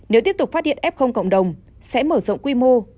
nếu tiếp tục phát hiện f cộng đồng sẽ mở rộng quy mô